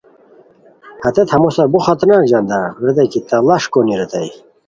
ہتیت ہموسار بو خطرناک ژاندار ریتائے کی تہ ڑاݰ کونی ریتائے